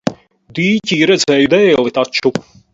Dīķī redzēju dēli taču.